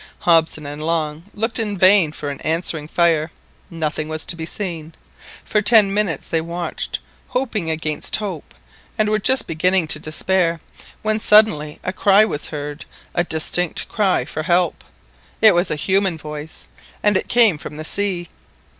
Hobson and Long looked in vain for an answering fire—nothing was to be seen. For ten minutes they watched, hoping against hope, and were just beginning to despair, when suddenly a cry was heard, a distinct cry for help. It was a human voice, and it came from the sea.